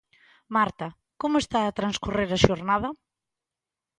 Marta, como está a transcorrer a xornada?